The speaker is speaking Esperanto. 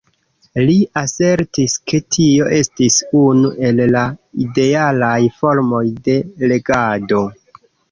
Li asertis, ke tio estis unu el la idealaj formoj de regado.